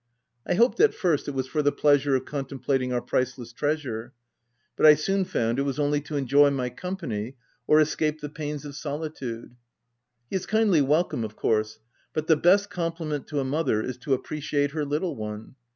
I hoped at first it was for the pleasure of contemplating our priceless trea sure ; but I soon found it was only to enjoy my company, or escape the pains of solitude. He is kindly welcome of course, but the best com pliment to a mother is to appreciate her little one.